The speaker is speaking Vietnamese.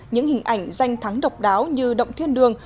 những hình ảnh danh thắng độc đáo như động thiên đường